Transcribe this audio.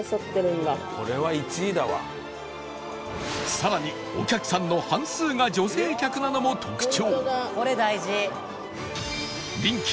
更にお客さんの半数が女性客なのも特徴